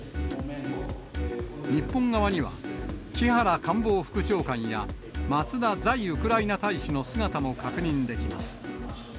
日本側には、木原官房副長官や、松田在ウクライナ大使の姿も確認できます。